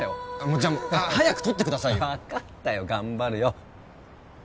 もうじゃあ早く取ってくださいよ分かったよ頑張るよ